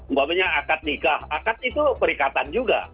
umpamanya akad nikah akad itu perikatan juga